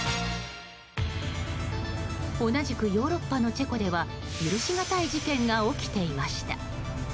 同じくヨーロッパのチェコでは許しがたい事件が起きていました。